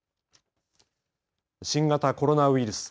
新型コロナウイルス。